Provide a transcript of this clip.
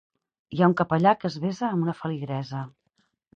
Hi ha un capellà que es besa amb una feligresa.